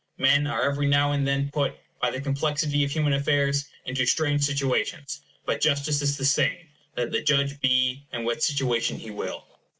Men are every now and then put, by the complexity of human affairs, into strange situations; but justice is the same, let the judge be in what situation he will.